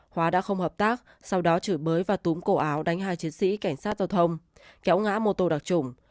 hóa đã không hợp tác sau đó chửi bới và túm cổ áo đánh hai chiến sĩ cảnh sát giao thông kéo ngã mô tô đặc trủng